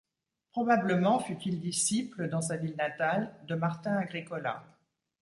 Probablement fut-il disciple, dans sa ville natale, de Martin Agricola.